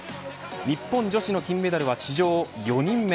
日本女子の金メダルは史上４人目。